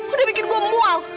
udah bikin gue mual